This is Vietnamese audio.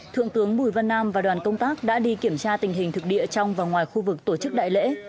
thượng tướng bùi văn nam và đoàn công tác đã đi kiểm tra tình hình thực địa trong và ngoài khu vực tổ chức đại lễ